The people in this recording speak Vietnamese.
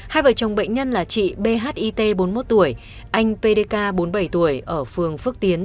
hai vợ chồng bệnh nhân là chị bhit bốn mươi một tuổi anh pdk bốn mươi bảy tuổi ở phường phước tiến